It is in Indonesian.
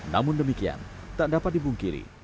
namun demikian tak dapat dibungkiri